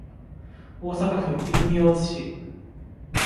大阪府泉大津市